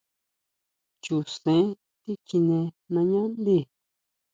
Chu sen tikjine nañá ndí.